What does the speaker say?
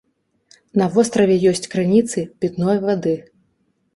На востраве ёсць крыніцы пітной вады.